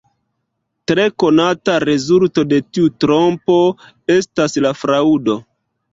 Tre konata rezulto de tiu trompo estas la fraŭdo.